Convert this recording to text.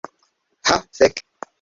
Ha fek'